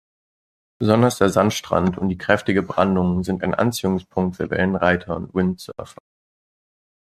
Besonders der Sandstrand und die kräftige Brandung sind ein Anziehungspunkt für Wellenreiter und Windsurfer.